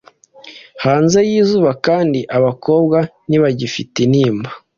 hanze y'izuba kandi abakobwa ntibagifite intimba